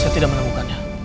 saya tidak menemukannya